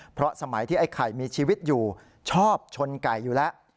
เพราะสมัยที่ไอ้ไข่มีชีวิตอยู่ชอบชนไก่อยู่แล้ว